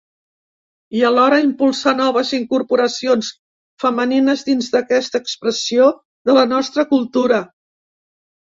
I alhora, impulsar noves incorporacions femenines dins d’aquesta expressió de la nostra cultura.